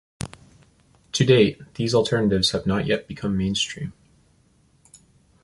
To date these alternatives have not yet become mainstream.